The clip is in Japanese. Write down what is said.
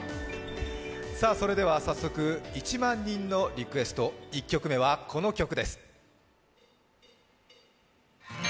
それでは早速１万人のリクエスト、１曲目はこの曲です。